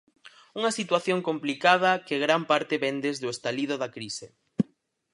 Unha situación complicada que gran parte vén desde o estalido da crise.